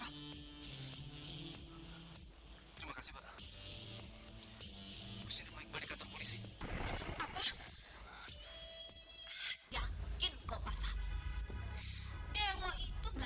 enggak saya gak akan pulang ke rumah pak